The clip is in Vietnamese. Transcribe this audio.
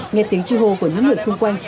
nghe tiếng chi hồ của những người xung quanh